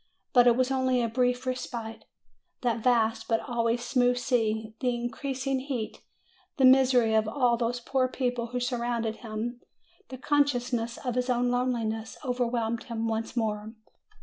But it was only a brief respite. That vast but always smooth sea, the increas ing heat, the misery of all those poor people who sur rounded him, the consciousness of his own loneliness, overwhelmed him once more.